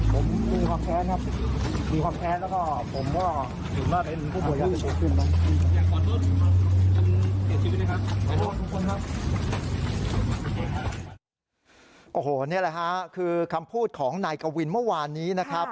ผมมีความแท้นะครับมีความแท้แล้วก็ผมว่าถึงว่าเป็นผู้ป่วยยาเสพติด